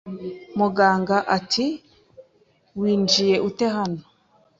Muganga ati winjiye ute hano